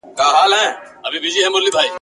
غلی غلی را روان تر منځ د ژرګو !.